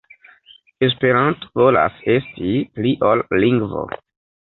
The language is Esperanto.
Esperanto volas esti pli ol lingvo.